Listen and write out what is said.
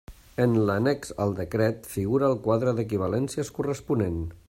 En l'annex al decret figura el quadre d'equivalències corresponent.